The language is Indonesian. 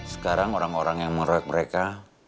sekarang orang orang yang mengeroyok mereka